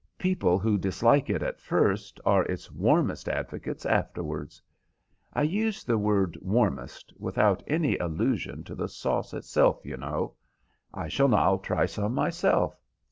People who dislike it at first are its warmest advocates afterwards. I use the word warmest without any allusion to the sauce itself, you know. I shall now try some myself."